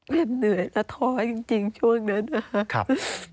เหนื่อยจะท้อจริงช่วงนั้นนะครับ